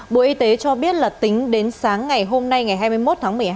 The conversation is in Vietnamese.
bộ y tế cho biết là tính đến sáng ngày hôm nay ngày hai mươi một tháng một mươi hai